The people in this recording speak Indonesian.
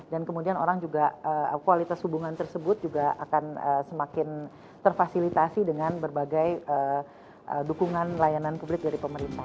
dan kemudian orang juga kualitas hubungan tersebut juga akan semakin terfasilitasi dengan berbagai dukungan layanan publik dari pemerintah